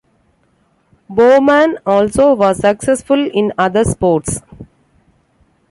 Bouman also was successful in other sports.